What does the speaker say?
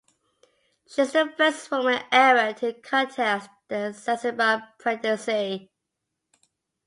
She is the first woman ever to contest the Zanzibar presidency.